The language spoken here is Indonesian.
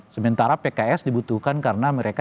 sementara pks dibutuhkan karena mereka